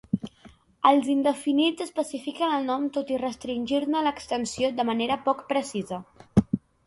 Els indefinits especifiquen el nom tot i restringir-ne l'extensió de manera poc precisa.